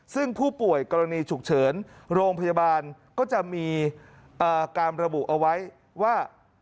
ซึ่งผู้ป่วยกรณีฉุกเฉินโรงพยาบาลก็จะมีการระบุเอาไว้ว่า